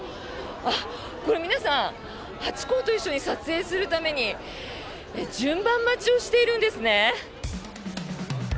これ、皆さんハチ公と一緒に撮影するために順番待ちをしているんですね。